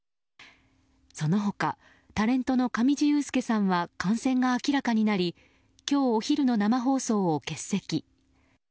その他、タレントの上地雄輔さんは感染が明らかになり今日お昼の生放送を欠席。